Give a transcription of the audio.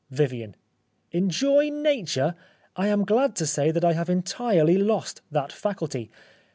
(( Vivian : Enjoy Nature ! I am glad to say that I have entirely lost that faculty.